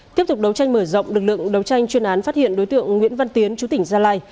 tiếp tục đấu tranh mở rộng lực lượng đấu tranh chuyên án phát hiện đối tượng nguyễn văn tiến chú tỉnh gia lai